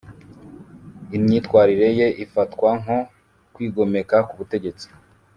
Imyitwarire ye ifatwa nko kwigomeka k’ubutegetsi